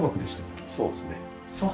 そうですね。